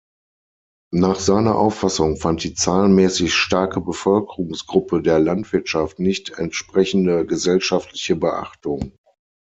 Nach seiner Auffassung fand die zahlenmäßig starke Bevölkerungsgruppe der Landwirtschaft nicht entsprechende gesellschaftliche Beachtung.